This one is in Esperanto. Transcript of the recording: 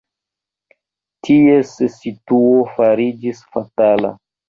Ties situo fariĝis fatala.